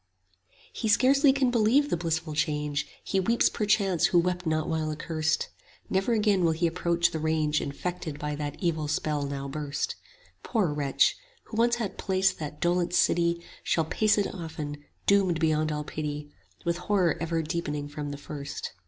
He scarcely can believe the blissful change, 15 He weeps perchance who wept not while accurst; Never again will he approach the range Infected by that evil spell now burst: Poor wretch! who once hath paced that dolent city Shall pace it often, doomed beyond all pity, 20 With horror ever deepening from the first.